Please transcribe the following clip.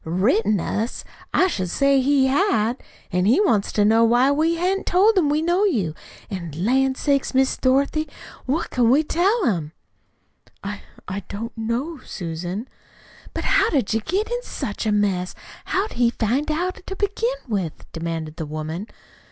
"Written us! I should say he had! An' he wants to know why we hain't told him we know you. An', lan' sakes, Miss Dorothy, what can we tell him?" "I I don't know, Susan." "But how'd you get in such a mess? How'd he find out to begin with?" demanded the woman.